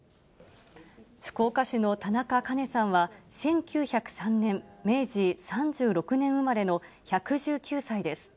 福岡市の田中カ子さんは、１９０３年・明治３６年生まれの１１９歳です。